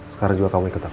sekarang juga kamu ikut aku